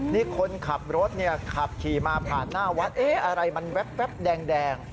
นี่คนขับรถเนี่ยขับขี่มาผ่านหน้าวัดอะไรมันแว๊บแดง